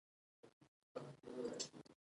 سپي روزنه غواړي.